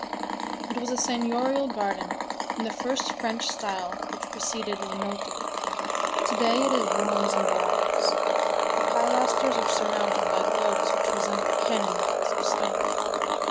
It was a seignorial garden in the first French style which preceded Le Nôtre; to day it is ruins and briars. The pilasters are surmounted by globes which resemble cannon balls of stone.